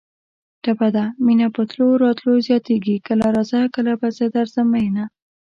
ټپه ده: مینه په تلو راتلو زیاتېږي کله راځه کله به زه درځم مینه